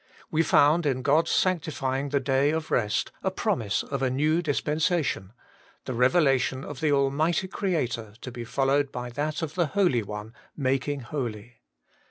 We found in God's sanctifying the day of rest a promise of a new dispensation the revelation of the Almighty Creator to be followed by that of the Holy One making holy.